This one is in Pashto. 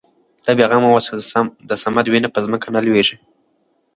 ته بې غمه اوسه د صمد وينه په ځمکه نه لوېږي.